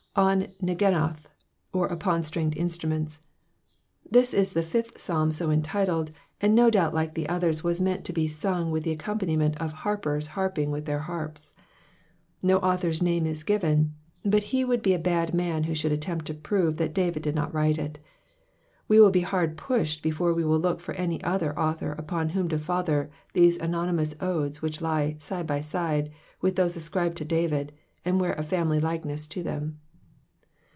On Neginoth, or upon stringed instru ments. TJus is the fifth Psalm so entitled, and no doubt like the others loas meant to be sung v>ith the accompaniment of harpers ?iarping with tfieir harps, No aulhor*s name is giveti, but he would be a bold man who should attempt to prove that David did not write it. We will he hard pushed before toe will look for any othpr author upon whom to father these anonymous odes w/Uch lie side by side with those ascribed to David, and wear a family likeness to them.